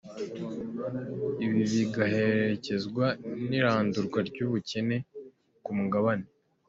Ibi bigaherekezwa n’irandurwa ry’ubukene ku mugabane.